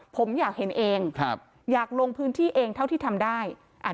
ผมอยากเห็นเองอยากลงพื้นที่เองเท่าที่ทำได้